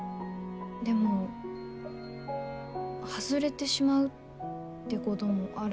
でも外れてしまうってこともあるんですよね。